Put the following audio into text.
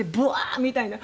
みたいな。